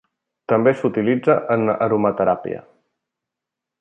També s'utilitza en aromateràpia.